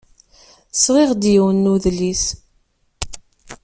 Sɣiɣ-d yiwen n udlis.